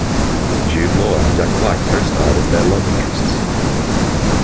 Jude Law and Jack Black co-starred as their love interests.